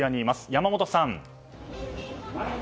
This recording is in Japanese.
山本さん。